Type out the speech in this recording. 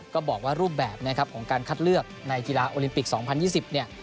ก็บอกว่ารูปแบบนะครับของการคัดเลือกในกีฬาโอลิมปิก๒๐๒๐เนี่ย